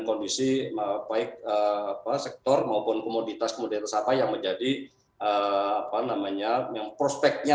kondisi maaf baik apa sektor maupun komoditas muda sapa yang menjadi apa namanya yang prospeknya